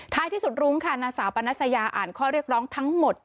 ที่สุดรุ้งค่ะนางสาวปนัสยาอ่านข้อเรียกร้องทั้งหมด